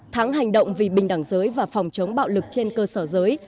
tháng hành động vì bình đẳng giới và phòng chống bạo lực trên cơ sở giới